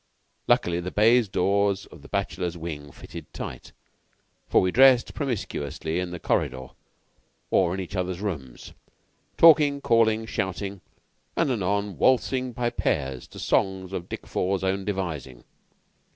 Luckily the baize doors of the bachelors' wing fitted tight, for we dressed promiscuously in the corridor or in each other's rooms, talking, calling, shouting, and anon waltzing by pairs to songs of Dick Four's own devising.